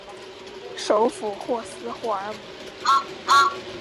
首府霍斯霍尔姆。